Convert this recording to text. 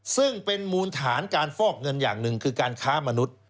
ซึ่งเป็นมูลฐานการฟอกเงินอย่างหนึ่งคือการค้ามนุษย์